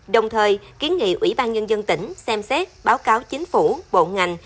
đồng thời kiến nghị ủy ban nhân dân tỉnh xem xét báo cáo chính phủ bộ ngành